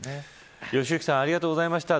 良幸さんありがとうございました。